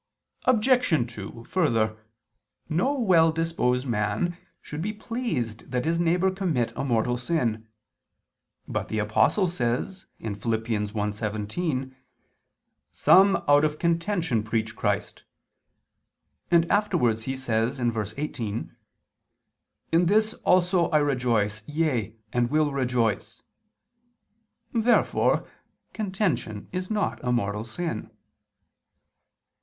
Obj. 2: Further, no well disposed man should be pleased that his neighbor commit a mortal sin. But the Apostle says (Phil. 1:17): "Some out of contention preach Christ," and afterwards he says (Phil. 1:18): "In this also I rejoice, yea, and will rejoice." Therefore contention is not a mortal sin.